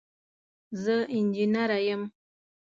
زه انجنیره یم.